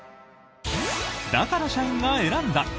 だから社員が選んだ！